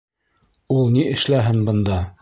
Ул ни эшләһен бында?